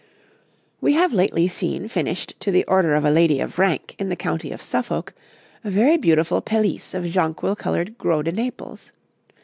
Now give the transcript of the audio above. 'We have lately seen finished to the order of a lady of rank in the county of Suffolk, a very beautiful pelisse of jonquil coloured gros de Naples.